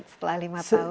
setelah lima tahun